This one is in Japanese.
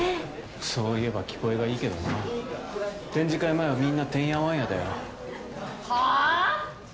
そう言えば聞こえがいいけどな展示会前はみんなてんやわんやだよはあー！？